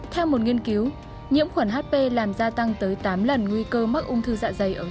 theo một nghiên cứu nhiễm khuẩn hp làm gia tăng tới tám lần nguy cơ mắc ung thư dạ dày ở